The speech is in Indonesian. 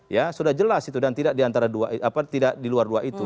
ya sudah jelas itu dan tidak di antara dua tidak di luar dua itu